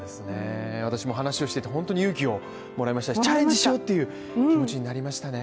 私も話をしてて本当に勇気をもらいましたしチャレンジしようっていう気持ちになりましたね